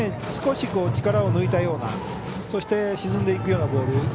少し力を抜いたようなそして、沈んでいくようなボール。